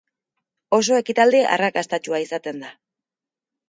Oso ekitaldi arrakastatsua izaten da.